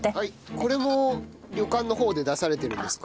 これも旅館の方で出されてるんですか？